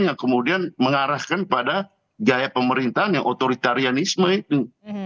yang kemudian mengarahkan pada gaya pemerintahan yang otoritarianisme itu